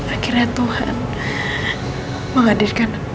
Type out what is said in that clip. aku mau babi